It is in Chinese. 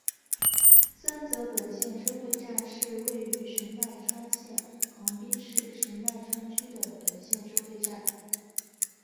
三泽本线收费站是位于神奈川县横滨市神奈川区的本线收费站。